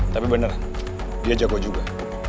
tapi benar dia jago juga